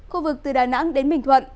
khu vực từ đà nẵng đến bình thuận